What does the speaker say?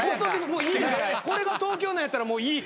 これが東京なんやったらもういい。